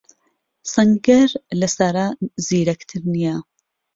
سەنگەر لە سارا زیرەکتر نییە.